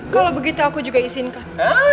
kalau begitu aku juga izinkan